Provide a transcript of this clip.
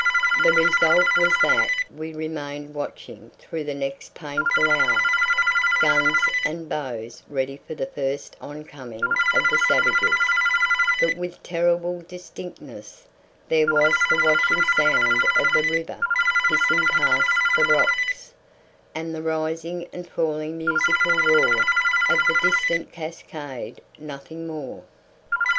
The result was that we remained watching through the next painful hour, guns and bows ready for the first oncoming of the savages; but with terrible distinctness there was the washing sound of the river hissing past the rocks, and the rising and falling musical roar of the distant cascade nothing more!